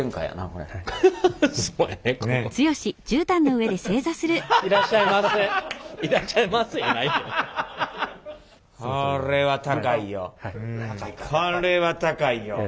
これは高いよ。